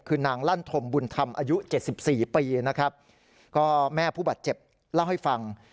คือนางลั่นธมบุญธรรมอายุเจ็ดสิบสี่ปีนะครับก็แม่ผู้บาดเจ็บเล่าให้ฟัง